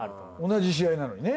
同じ試合なのにね。